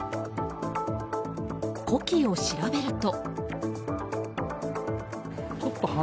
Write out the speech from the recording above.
呼気を調べると。